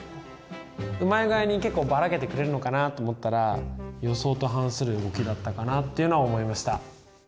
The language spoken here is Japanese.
うまい具合に結構ばらけてくれるのかなと思ったら予想と反する動きだったかなっていうのは思いました。